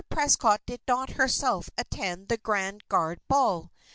Prescott did not herself attend the Grand Guard Ball.